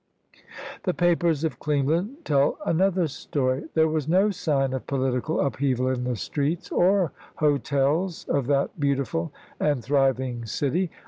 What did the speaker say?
The papers of Cleveland tell another story. There was no sign of political up heaval in the streets or hotels of that beautiful and thriving city.